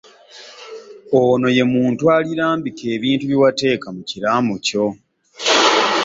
Ono ye muntu alirambika ebintu bye wateeka mu kiraamo kyo.